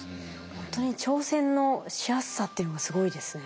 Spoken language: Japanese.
ほんとに挑戦のしやすさっていうのがすごいですね。